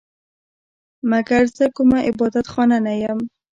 مګر زه کومه عبادت خانه نه یم